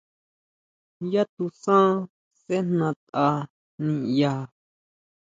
Yá tusan sejna tʼa niʼya.